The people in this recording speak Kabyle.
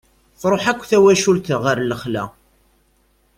Truḥ akk twacult ɣer lexla.